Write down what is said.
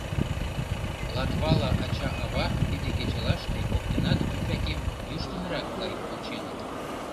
Латвала ача-ава тиде кечылаште коктынат ӱмбакем йӱштынрак гай онченыт.